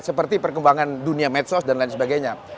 seperti perkembangan dunia medsos dan lain sebagainya